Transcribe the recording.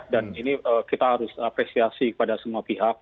dan ini kita harus apresiasi kepada semua pihak